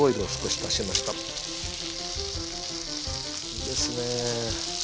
いいですね。